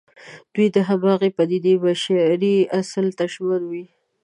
دوی د همغې پدېدې بشري اصل ته ژمن وي.